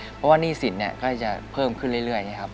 เพราะว่าหนี้สินก็จะเพิ่มขึ้นเรื่อยนะครับ